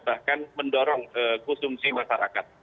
bahkan mendorong konsumsi masyarakat